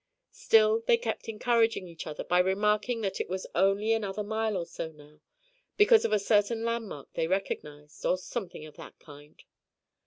Still they kept encouraging each other by remarking that it was only another mile or so now, because of a certain landmark they recognized, or something of that kind.